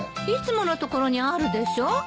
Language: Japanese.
いつもの所にあるでしょ？